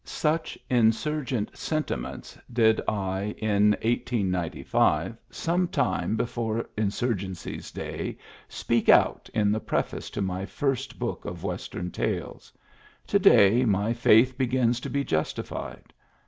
Such "insurgent" sentiments did I in 1895, some time before insurgency's day, speak out in the preface to my first book of Western tales ; to day my faith begins to be justified.